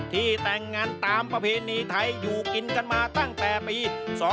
แต่งงานตามประเพณีไทยอยู่กินกันมาตั้งแต่ปี๒๕๖